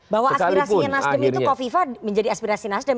bahwa aspirasinya nasdem itu kofifa menjadi aspirasi nasdem